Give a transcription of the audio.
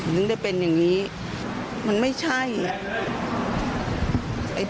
ถึงได้เป็นอย่างนี้มันไม่ใช่อ่ะ